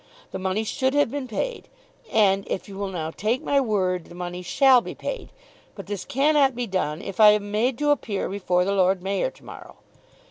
The money should have been paid, and, if you will now take my word, the money shall be paid. But this cannot be done if I am made to appear before the Lord Mayor to morrow.